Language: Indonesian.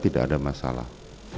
tidak ada masalah